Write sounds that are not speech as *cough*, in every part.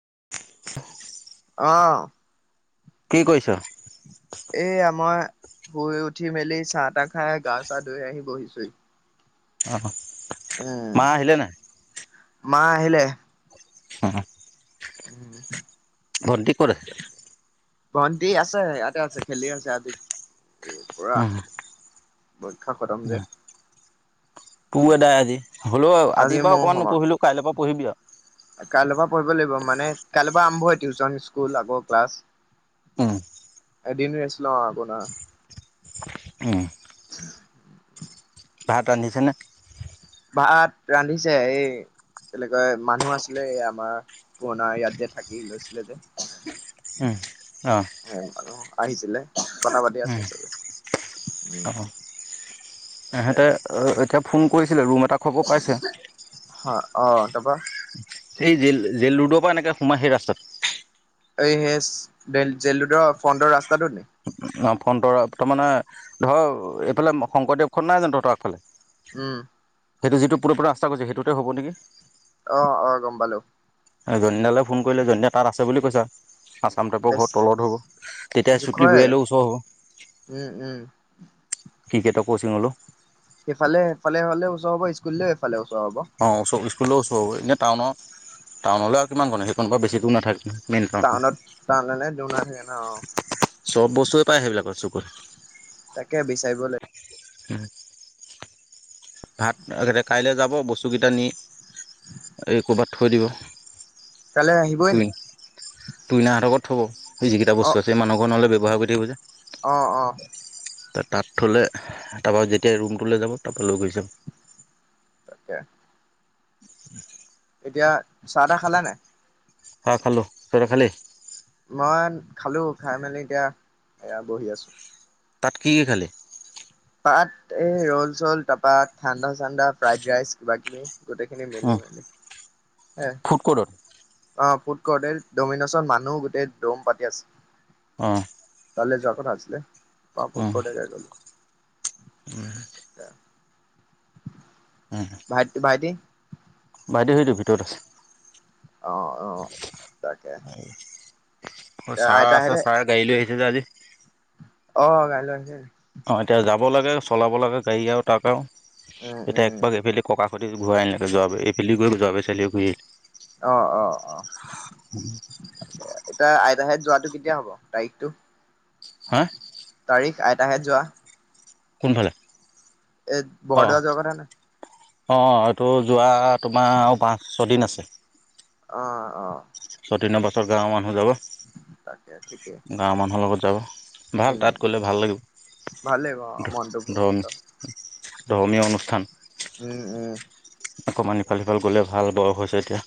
*inaudible* অ'। কি কৰিছ? এইয়া মই শুই উঠি মেলি, চাহ তাহ খাই, গা চা ধুই আহি বহিচোহি। অ'। উম, মা আহিলে নাই? মা আহিলে? *unintelligible* উম। ভণ্টি *unintelligible* ভণ্টি আছে, ইয়াতে আছে খেলি আছে *unintelligible* পুৰা হম। পৰীক্ষা খতম যে। পু এদাই আজি হ'লেও আজি আজিৰ মোৰ অকনমান হোমৱৰ্ক নপঢ়িলো কাইলৈ পৰা পঢ়িবি আৰু কাইলৈৰ পৰা পঢ়িব লাগিব মানে কাইলৈ পৰা আৰম্ভ টিউচন, স্কুল আকৌ ক্লাছ। এদিন ৰেষ্ট লওঁ আপোনাৰ। হম, ভাত ৰান্ধিছেনে? তাত ৰান্ধিছে এই তেনেকৈ মানুহ আছিলে আমাৰ পুৰণা ইয়াত যে, থাকি লৈছিলে যে। হম, অ'। মানুহ আহিছিলে কথা পাতি আছে চবে উম। তাকে ইহেঁতে এতিয়া ফোন কৰিছিলে ৰুম এটা খবৰ পাইছে। হা অ', তা পা? সেই জেল, জেল ৰোডৰ পৰা এনেকে সোমাই সেই ৰাস্তাত এই সেই জে জেইল ৰোডৰ ফ্ৰণ্টৰ ৰাস্তাটো নি? অ', ফণ্টৰ তাৰমানে ধৰ এইফালে শংকৰদেৱখন নাই জানো তহঁতৰ আগফালে? উম। সেইটো যিটো *unintelligible* ৰাস্তা গৈছে সেইটোতে হ'ব নেকি। অ', অহ, গম পালো। জনী দালৈ ফোন কৰিলে, জনী দায়ে তাত আছে বুলি কৈছা আচাম টাইপৰ বেছ ঘৰ তলত হ'ব, তেতিয়া চুতলি জোখৰে বয়িয়ালৈ ওচৰ হ'ব। উম, উম। ক্ৰিকেটৰ ক'চিং ল'লোঁ। এইফালে সেফালে হ'লে ওচৰ হ'ব, ইস্কুললৈ এইফালে ওচ অ', ওচব ইস্কুললৈও ওচৰ এনে টাউনৰ টাউনলৈ আৰু কিমান ক সেই কোনোবা বেছিটো নাথাকে মেইন টাউন টাউনত *unintelligible* নাথাকে অ'। চব বস্তুৱে পায় সেইবিলাকৰ চকুত তাকে বিচাৰিব লাগি হম। ভাত কাইলৈ যাব বস্তুকেইটা নি এই ক'ৰবাত থৈ দিব। কাইলৈ আহিবই নি টোইনাহঁতৰ থ'ব সেই যিকেইটা অ' বস্তু আছে মানুহ ঘৰ নহ'লে ব্যৱহাৰ কৰি থাকিব অ' অ' যে। তাত থ'লে তাৰপৰা যেতিয়া ৰুমটো লৈ যাব তাৰপৰা লৈ গৈ যাম। তাকে। এতিয়া চাহ তাহ খালা নে নাই? অ', খালো‌ তহঁতে খালি? মই খালো, খাই মেলি এতিয়া এয়া বহি আছো। তাত কি কি খালি? তাত এই ৰ'ল চ'ল তা পা ঠাণ্ডা চাণ্ডা ফ্ৰাইড ৰাইচ কিবাকিবি গোটেইখিনি মিলি মানে ফুটক'ডত। অ', ফুড কৰ্ট ডমিন'ছৰ মানুহ গোটেই দম পাতি আছে। অ'। কাইলৈ যোৱা কথা আছিলে *unintelligible* *unintelligible* ভাই ভাইটি ভাইটি সেইটো ভিতৰত আছে। অ', অ', তাকে অ ছাৰ আছে আইতাহেঁতে ছাৰে গাড়ী লৈ আহিছে যে আজি। অ গাড়ী লৈ আহিছে। অ এতিয়া যাব লাগে চলাব লাগে গাড়ী আৰু তাক আৰু উম এতিয়া উম একপাক এবেলি ককাক। *unintelligible* অ অ অ এতিয়া। তাহেত যোৱাটো কেতিয়া হ'ব তাৰিখটো। হা। তাৰিখ আইতাহঁত যোৱা। কোনফালে। এই বৰদোৱা যোৱা কথা নে। অ এইটো যোৱা তোমাৰ পাঁচ ছয়দিন আছে। অ'অ'। বহুত দিনৰ পাছত গাঁৱৰ মানুহ যাব। তাকে ঠিকেই। গাঁৱৰ মানুহৰ লগত যাব ভাল উম তাত গ'লে ভাল লাগিব ভাল লাগিব অ মনটো ধৰ। অলপ। ধৰ্মীয় অনুষ্ঠান। উম উম। অকণমান ইফাল সিফাল গ'লে ভাল বয়স হৈছে এতিয়া।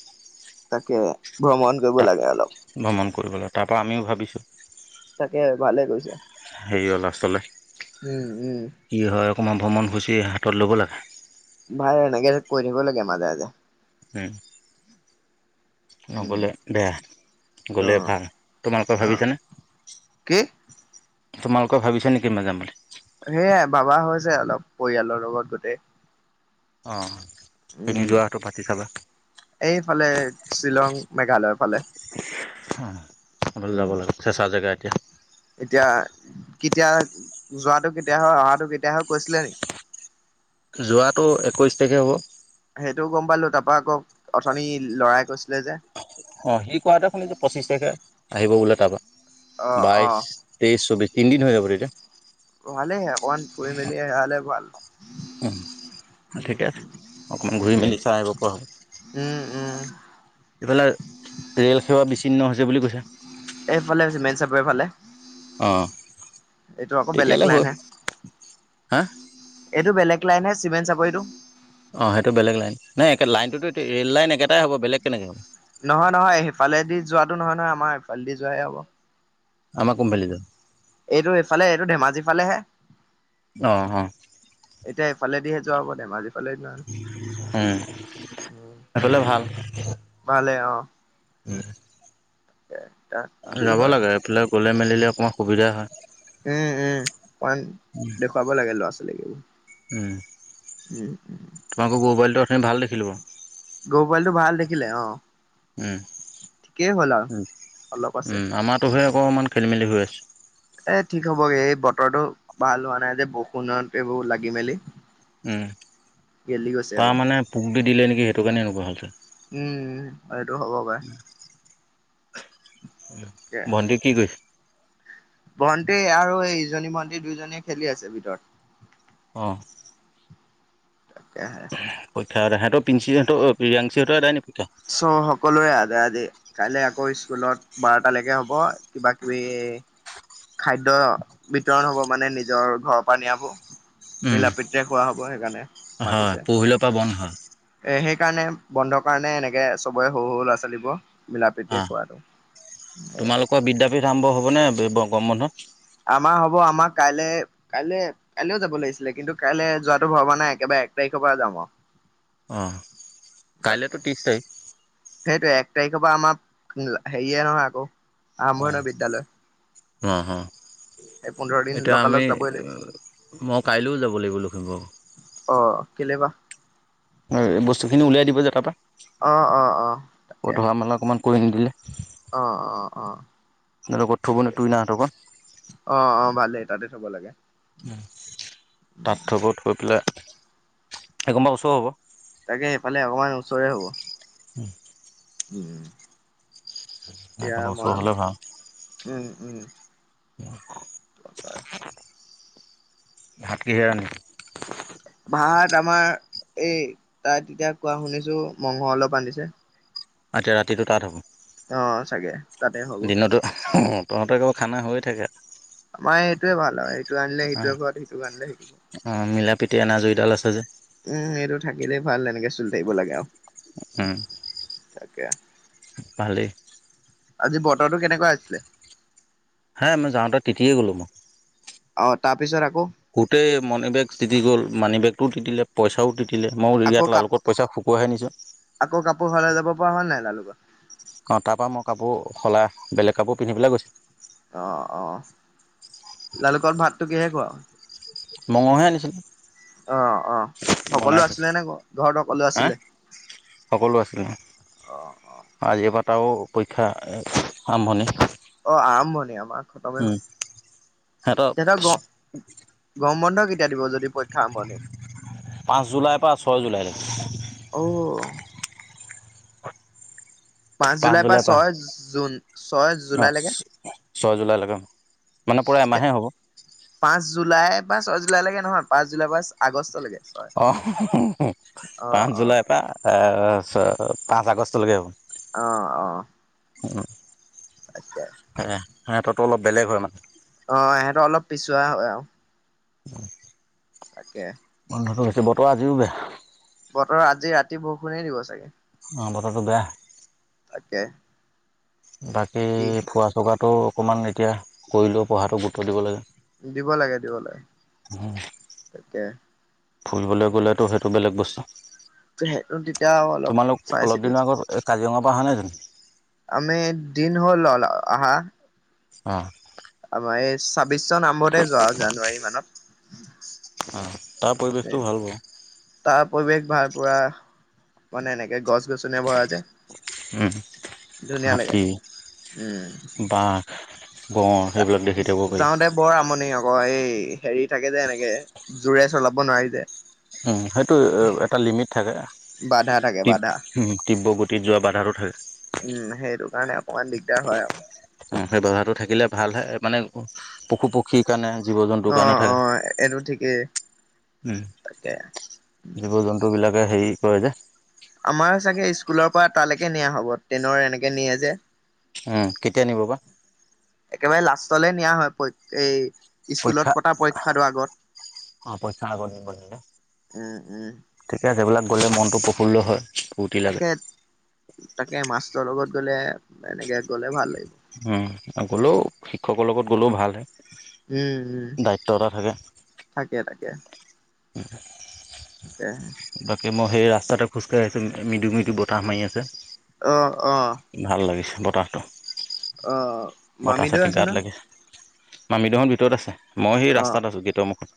তাকে ভ্ৰমণ কৰিব লাগে অলপ। কৰিব লাগে তাৰপৰা আমিও ভাবিছোঁ। তাকে ভালে কৈছে হেৰি। *unintelligible* উম উম। *unintelligible* ভ্ৰমণসূচী হাতত ল'ব লাগে। ভাই এনেকে কৈ থাকিব লাগে মাজে মাজে। উম। উম নগ'লে বেয়া অ গ'লে ভাল তোমালোকৰ অ ভাবিছানে। কি। তোমালোকে ভাবিছা নেকি মাজে মাজে। সেয়াই ভাবা হৈছে অলপ পৰিয়ালৰ লগত গোটেই। অ। উম এইফালে শ্বিলং মেঘালয়ৰ ফালে। অ আচলতে যাব উম লাগে চেঁচা জেগা এতিয়া। এতিয়া কেতিয়া যোৱাটো কেতিয়া হয় অহাটো কেতিয়া হয় কৈছিলে। যোৱাটো একৈশ তাৰিখে হ'ব। সেইটো গম পালোঁ তাৰপৰা আকৌ অথনি লৰাই কৈছিলে যে। অ সি কোৱাতো শুনিছোঁ পঁচিশ তাৰিখে আহিব বোলে অ তাৰপৰা অ বাইশ তেইশ চৌবিশ। তিনিদিন হৈ যাব তেতিয়া। ভালেইহে অকমান ফুৰি মেলি আহিলে ভাল। উম ঠিকে আছে উম অকণমান ঘূৰি ঠিকে মেলি চাই আহিব উম উম। সেইফালে ৰেল সেৱা বিচ্ছিন্ন হৈছে বুলি কৈছে। এইফালে আছে মেইন চাপৰিৰ ফালে।। অ এইটো আকৌ বেলেগ তেতিয়ালৈ হয় লাইনহে। হা এইটো বেলেগ লাইনহে সিমেন চাপৰিটো। অ সেইটো বেলেগ লাইন নাই একে লাইনটোতো ৰেল লাইন একেটাই হ'ব বেলেগ কেনেকে হ'ব। নহয় নহয় সিফালেদি যোৱাতো নহয় নহয় আমাৰ এইফালেদি যোৱাহে হব। আমাৰ কোম্পানীটো। এইটো এইফালে এইটো ধেমাজিৰ ফালেহে অ অ এতিয়া এইফালেদি। যোৱা হব ধেমাজী। উম। *unintelligible* উম সেইফালে ভালে আৰু। উম। *unintelligible* কি যাব হয় লাগে, এইফালে গলে মেলিলে অকণমান সুবিধা হয় উম উম, অকণ দেখুৱাব লাগে ল'ৰা ছোৱালীক এইবোৰ। উম উম, অথনি ভাল দেখিলোঁ বাৰু গৰুৰ পোৱালীটো ভাল দেখিলে, অ উম ঠিকেই হ'ল আৰু উ অলপ আছে উম আমাৰ তো ধেৰ অকণমান খেলি মেলি হৈ আছে। এ ঠিক হ'বগে, এই বতৰটো ভাল হোৱা নাই যে বৰষুণত এইবোৰ লাগি মেলি। উম, গেলি গৈছে তাৰ আকৌ মানে পোক দি দিলে নেকি সেইটো কাৰণে এনেকুৱা হ'ল চাগে। উম এইটো হ'ব পাৰে। ভণ্টি কি কৰিছে? ভণ্টি আৰু এই ইজনী ভণ্টি দুইজনীয়ে খেলি আছে ভিতৰত। অ তাকে হে। ৰহত পিঞ্চিঁহতো অ প্ৰীয়াংশিহতো দাই নেকি? পৰীক্ষা? চ' সকলোৰে আজ আজি কাইলৈ আকৌ স্কুলত বাৰটালৈকে হ'ব। কিবা কিবি খাদ্য বিতৰণ হব মানে নিজৰ ঘৰৰ পৰা নিয়াবোৰ। উম, মিলাপ্ৰীতিৰে খোৱা হব সেইকাৰণে হয় মাতিছে। পৰহিলৰ পৰা বন্ধ হয়। সেইকাৰণে বন্ধৰ কাৰণে এনেকে সবৰে সৰু সৰু ল'ৰা ছোৱালীবোৰ মিলাপ্ৰীতিৰে অ', খোৱাটো, এ। তোমালোকৰ বিদ্যাপীঠ আৰম্ভ হ'ব নে গৰম বন্ধত? আমাৰ হ'ব আমাৰ কাইলে কাইলৈ কাইলেও যাব লাগিছিলে কিন্তু কাইলে যোৱাতো ভৰবা নাই, একেবাৰে এক তাৰিখৰ পৰা যাম মই। আহ তাকে, সেইটোয়ে এক তাৰিখৰ পৰা আমাৰ হেৰিয়ে নহয় আকৌ। আৰম্ভ আহ নহয় বিদ্যালয় হ হ। সেই পোন্ধৰ দিন এতিয়া লগালগ আমি, যাবই লাগিব মই কাইলৈও যাব লাগিব লখিমপুৰ। অ, কেলে বা? এই বস্তুখিনি উলিয়াই দিব যে তাৰ পৰা। অ অ অ তাকে অকণমান কৰি নিদিলে। অ অ অ ক'ত থ'বনো তোৰ ইহঁতকো অ অ ভালেই। তাতে থ'ব লাগে। তাত উম থ'ব, থই পেলাই এক কোবা ওচৰ হ'ব। তাকে সেইফালে অকমান ওচৰে হ'ব। হম উম এতিয়া সেইকণ ওচৰ মই, হ'লে ভাল। উম উম। *unintelligible* দৰকাৰ ভাত কিহেৰে ৰান্ধিলি? ভাত আমাৰ এই তাত এতিয়া কোৱা শুনিছো মংস অলপ আনিছে। এতিয়া ৰাতিটো তাত হ'ব, অ চাগে তাতে হ'ব দিনতো *unintelligible* তহঁতৰ কেৱল খানা হৈয়ে থাকে। আমাৰ এইটোৱে ভাল আৰু সেইটো আনিলে অ', সিটোৱে ঘৰত সিটো আনিলে সেইটো ঘৰত। অ', মিলা প্ৰীতি এনাজৰীডাল আছে যে। উম এইটো থাকিলেই ভাল এনেকে চলি থাকিব লাগে আৰু। উম, তাকে ভালে। আজি বতৰটো কেনেকুৱা আছিলে? হে মই যাওঁতে তিতিয়ে গ'লো মই। অ', তাৰ পিছত আকৌ গোটই মাণি বেগ তিতি গ'ল মানি বেগও তিতিলে পইচাও তিতি তিতিলে মই আকৌ ইয়াত কাপ লালুকত পইচা শুকোৱাই নিছো। আকৌ কাপোৰ সলাই যাব পৰা *unintelligible* অ', তাৰ পৰা মই কাপোৰ সলাই বেলেগ কাপোৰ পিন্ধি পেলাই গৈছো। অ', অ' লালুকত ভাতটো কিহে খোৱা? মঙহে আনিছিলো। অ', অ' সকলো আছিলে থৈছোঁ। নে ঘৰত সকলো হা আছিলে? সকলো আছিলে অ', অ', আজিৰ পা এটাও পৰীক্ষা আৰম্ভণি। অ', আৰম্ভণি আমাৰ খতমে উম, হ'ল। সিহঁতৰ তেহঁতক গম গৰম বন্ধ কেতিয়া দিব যদি পাঁচ জুলাইৰ পৰা ছয় জুলাইলৈকে, *unintelligible* অও পাঁচ জুলাইৰ পৰা জুলাই পা ছয় জুন ছয় অ' জুলাইলৈকে? ছয় জুলাইলৈকে। মানে প্ৰায় এমাহে হ'ব। জুলাই বা ছয় জুলাইলৈকে নহয় পাঁচ জুলাই বা আগষ্টলৈকে। ছয় অ', অ', পাঁচ অ', জুলাইৰ পৰা পাঁচ আগষ্টলৈকে হ'ব। আহ, আহ। সেয়াই সিহঁততো অলপ বেলেগ হয় মানে। অ', সিহঁতো অলপ পিছোৱা হয় আৰু *unintelligible* তাকে। বন্ধটো হৈছে বতৰ আজিও বেয়া। বতৰৰ আজি ৰাতি বৰষুণেই দিব চাগে। অ', বাতৰটো তাকে বাকী কি ফোৱা চকাটো অকণমান এতিয়া কৰিলেও পঢ়াটো গুৰুত্ব দিব লাগে। দিব লাগে দিব লাগে তাকে। ফুলবলৈ গ'লেতো সেইটো বেলেগ বস্তু। সেইটো তেতিয়া অলপ তোমালোক চাই অলপ চিতি দিনৰ আগত কাজিৰঙাৰ পৰা অহা নাই জানো? আমি দিন হ'ল আহা। অ'। আমাৰ এই ছাব্বিশ চন আৰম্ভ হওঁতে যোৱা জানুৱাৰী অঁ তাৰ পৰিৱেশটো মানত। ভাল বাৰু তাৰ পৰিৱেশ ভাল পুৰা মানে গছ গছনি ভৰা যে ধুনীয়া লাগে হাতী উম। অ' যাওঁ দে বৰ আমনি আকৌ এই হেৰি থাকে যে এনেকে, জোৰে চলাব নোৱাৰি যে। উম, সেইটো এটা লিমিট থাকে বাধা থাকে বাধা উম তিব তিব্ৰ গতি টি যোৱা বাধাতো থাকে। উম, সেইটো কাৰণে অকমান দিগদাৰ হয় আৰু। অ', সেই বজাৰটো থাকিলে ভাল হে মানে পশু পক্ষীৰ কাৰণে জীৱ জন্তুৰ কাৰণে অ', থাকে অ', এইটো ঠিকেই। উম, তাকে জীৱ-জন্তুবিলাকে হেৰি কয় যে আমাৰ চাগে স্কুলৰ পৰা তালেকে নিয়া হ'ব ট্ৰেইনৰ এনেকে নিয়ে যে উম, কেতিয়া নিব বা? একেবাৰে লাষ্টলৈ নিয়া হয় এই পৰীক্ষা স্কুলত পতা পৰীক্ষাতো আগত। অ', পৰীক্ষা আগত নিব দিলে উম উম ঠিকে সেইবিলাকত গলে মনতটো প্ৰফুল্ল হয়। ফূৰ্তি লাগে তাকে তাকে মাষ্টৰ লগত গ'লে এনেকে গ'লে ভাল উম গ'লেও শিক্ষকৰ লগত গ'লেও ভাল হে। উম উম দায়িত্ব এটা থাকে। তাকে তাকে *unintelligible* তাকে। বাকী মই সেই ৰাস্তাতে খোজকাঢ়ি আছো মৃদু-মৃদু বতাহ মাৰি আছে। আহ আহ। ভাল লাগিছে বতাহটো। অ। ব'তাহ মামীদেউ চাতি আছে গাত ন লাগিছে মামিডহঁত ভিতৰত আছে। মই সেই অ ৰাস্তাত আছোঁ গেটৰ মুখত,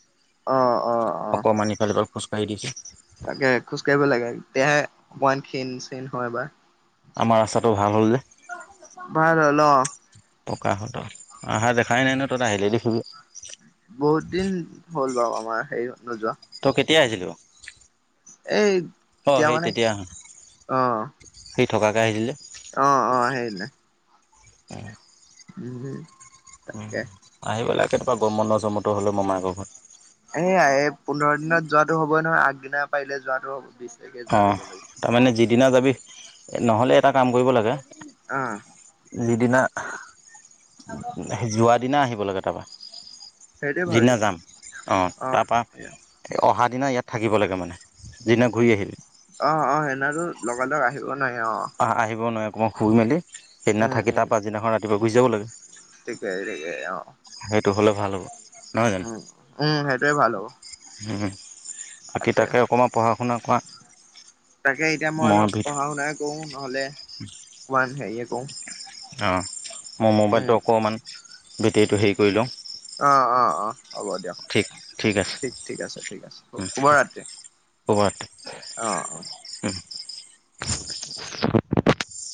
অ অ অ অকণমান ইফালে ইফাল খোজকাঢ়ি দিছোঁ। মই খিনচিন হয় বা। আমাৰ ৰাস্তাটো ভাল হ'ল যে। ভাল হ'ল অ। পকা হ'ল অ অহা দেখাই নাই ন তহঁত আহিলেহে দেখিবি। বহুত দিন হ'ল বাৰু আমাৰ নোযোৱা। তই কেতিয়া আহিলি‌ বাৰু? এই অ কেতিয়া সেই মানে আহ সি থকাকৈ আহিছিলি যে। অ অ সেইদিনা। *unintelligible* *unintelligible* উম তাকে আহিব লাগে কেতিয়াবা গৰম বন্ধ চৰম বন্ধ হলে মমায়েকৰ ঘৰত। এইয়া এই পোন্ধৰ দিনত যোৱাটো হ'বই নহয়, আগদিনা পাৰিলে যোৱাটো হ'ব। তাৰিখে যোৱা অ দিব লাগিছিল। তাৰমানে যিদিনা যাবি নহ'লে এটা কাম কৰিব লাগে অ' যিদিনা যোৱা দিনা আহিব লাগে তাৰপা। সেইটোৱে যিদিনা ভাবিছো মই যাম অঁ, তাৰপৰা অ'। অহা দিনা ইয়াত থাকিব লাগে মানে যিনা ঘূৰি আহিবি। অ অ সেইদিনাও লগালগ আহিব- নোৱাৰি অ'। আহিব নোৱাৰে অকণমান ফুই মেলি সেইদিনা থাকি তাৰ পাছদিনাখন ৰাতিপুৱা গুচি যাব লাগে। থিকে থিক অ। সেইটো হ'লে ভাল হ'ব নহয় জানো উম উম সেইটোৱে ভাল হ'ব। বাকী তাকে অকণমান পঢ়া শুনা কৰা। তাকে এতিয়া মই অলপ পঢ়া শুনাই কৰো নহলে অকমান হেৰিয়ে কৰো। অঁ মোৰ মোবাইলটো অকণমান বেটেৰীটো হেৰি কৰি লওঁ। অ, অ, অ। হ'ব দিয়ক ঠিক আছে ঠিক ঠিক আছে ঠিক আছে শুভ ৰাতি। শুব ৰাত্ৰি। অ'। *inaudible*